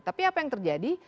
tapi apa yang terjadi